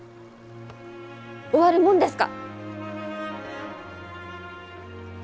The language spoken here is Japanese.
終わるもんですか！